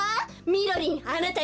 みろりんあなた